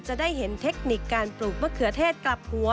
จะได้เห็นเทคนิคการปลูกมะเขือเทศกลับหัว